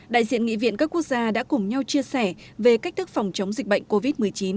đại diện nghị viện các quốc gia đã cùng nhau chia sẻ về cách thức phòng chống dịch bệnh covid một mươi chín